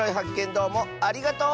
どうもありがとう！